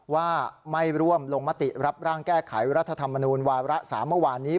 ว่าไม่ร่วมลงมติรับร่างแก้ไขรัฐธรรมนูญวาระ๓เมื่อวานนี้